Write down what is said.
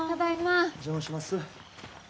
お邪魔します。